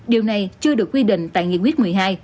điều này chưa được quy định tại nghị quyết một mươi hai